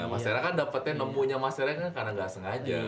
mas era kan dapetnya mempunyai mas era kan karena gak sengaja